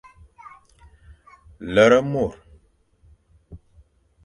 Lere mor.